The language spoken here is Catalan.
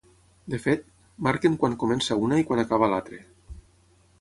De fet, marquen quan comença una i quan acaba l'altre.